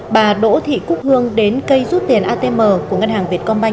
bà đỗ thị cúc hương đến cây rút tiền atm của ngân hàng việt công banh